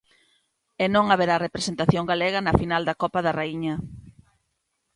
E non haberá representación galega na final da Copa da Raíña.